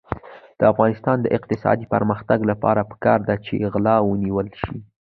د افغانستان د اقتصادي پرمختګ لپاره پکار ده چې غلا ونیول شي.